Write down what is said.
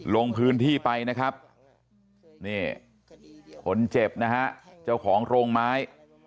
ลงพื้นที่ไปนะครับนี่คนเจ็บนะฮะเจ้าของโรงไม้